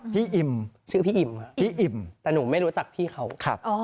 พี่อิ่มชื่อพี่อิ่มพี่อิ่มแต่หนูไม่รู้จักพี่เขาครับ